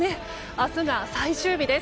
明日が最終日です。